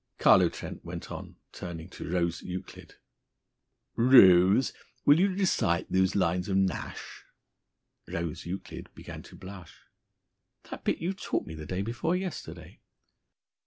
Carlo Trent went on, turning to Rose Euclid: "Rose, will you recite those lines of Nashe?" Rose Euclid began to blush. "That bit you taught me the day before yesterday?"